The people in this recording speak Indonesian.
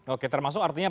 oke termasuk artinya